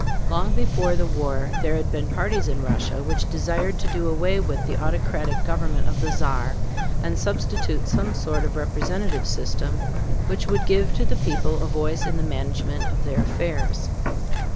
Long before the war there had been parties in Russia which desired to do away with the autocratic government of the Czar and substitute some sort of representative system which would give to the people a voice in the management of their affairs.